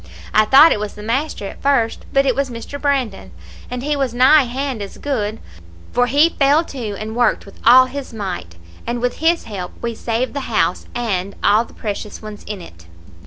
I thought it was the master at first, but it was Mr. Brandon, and he was nigh hand as good, for he fell to, and worked with all his might, and with his help we saved the house, and all the precious ones in it.